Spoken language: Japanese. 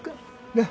なっ？